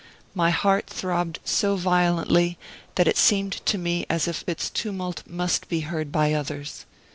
My heart throbbed so violently that it seemed to me as if its tumult must be heard by others.